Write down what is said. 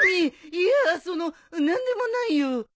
いやあその何でもないよ。